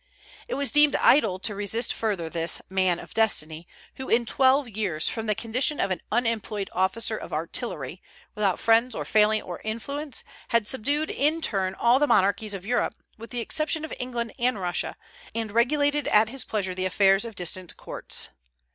It was deemed idle to resist further this "man of destiny," who in twelve years, from the condition of an unemployed officer of artillery, without friends or family or influence, had subdued in turn all the monarchies of Europe, with the exception of England and Russia, and regulated at his pleasure the affairs of distant courts.